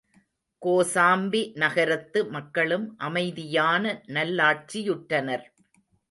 கோசாம்பி நகரத்து மக்களும் அமைதியான நல்லாட்சியுற்றனர்.